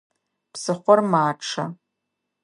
Псыхъор мачъэ.